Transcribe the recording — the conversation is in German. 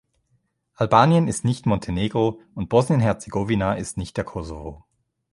Albanien ist nicht Montenegro, und Bosnien-Herzegowina ist nicht der Kosovo.